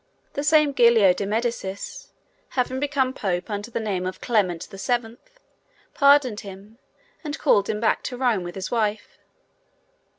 The same Giulio de Medicis, having become pope under the name of Clement VII, pardoned him and called him back to Rome with his wife.